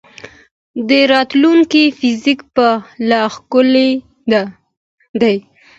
د راتلونکي فزیک به لا ښکلی دی.